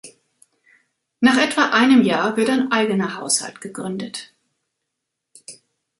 Nach etwa einem Jahr wird ein eigener Haushalt gegründet.